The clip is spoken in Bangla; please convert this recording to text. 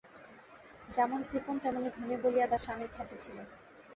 যেমন কৃপণ তেমনি ধনী বলিয়া তার স্বামীর খ্যাতি ছিল।